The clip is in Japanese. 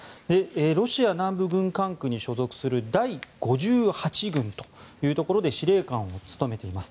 ロシア南部軍管区に所属する第５８軍というところで司令官を務めています。